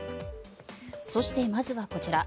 そして、まずはこちら。